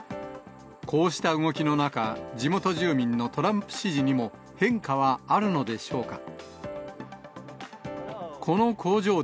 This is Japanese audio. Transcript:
こうした動きの中、地元住民のトランプ支持にも変化はあるのでしょうか。